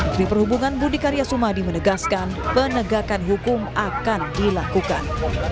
dari perhubungan budi karyasumadi menegaskan penegakan hukum akan dilakukan